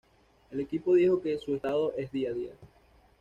El equipo dijo que su estado es día a día.